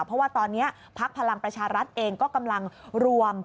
เพราะว่าตอนนี้พักพลังประชารัฐเองก็กำลังรวม